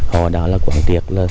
họ đã quản triệt